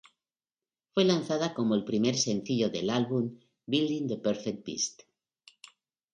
Fue lanzada como el primer sencillo del álbum "Building the Perfect Beast".